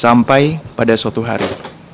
sampai pada suatu hari